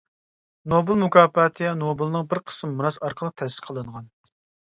نوبېل مۇكاپاتى نوبېلنىڭ بىر قىسىم مىراسى ئارقىلىق تەسىس قىلىنغان.